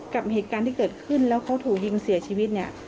กับเหตุการณ์ที่เกิดขึ้นแล้วเขาถูกยิงเสียชีวิตเนี่ย